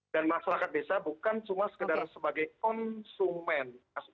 dan masyarakat desa bukan cuma sekedar sebagai konsumen